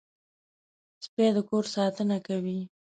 سپي د کور ساتنه کوي.